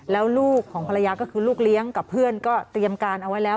แล้วลูกของภรรยาก็คือลูกเลี้ยงกับเพื่อนก็เตรียมการเอาไว้แล้ว